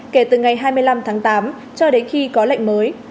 kể từ ngày hai mươi năm tháng tám cho đến khi có lệnh mới